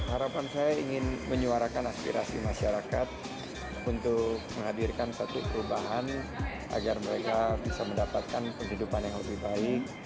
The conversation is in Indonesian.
harapan saya ingin menyuarakan aspirasi masyarakat untuk menghadirkan satu perubahan agar mereka bisa mendapatkan kehidupan yang lebih baik